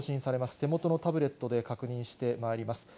手元のタブレットで確認してまいります。